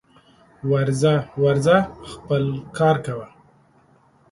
ورځه ورځه خپل کار کوه